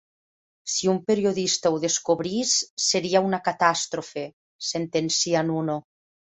Si un periodista ho descobrís, seria una catàstrofe —sentencia Nuno.